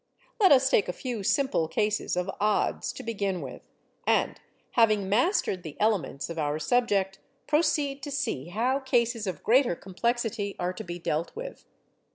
Let us take a few simple cases of 'odds,' to begin with; and, having mastered the elements of our subject, proceed to see how cases of greater complexity are to be dealt with.